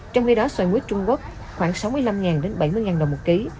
trong khi đó xoài mút trung quốc khoảng sáu mươi năm bảy mươi đồng một kg